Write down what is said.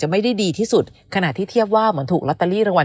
ไม่ได้ดีที่สุดขณะที่เทียบว่าเหมือนถูกลอตเตอรี่รางวัล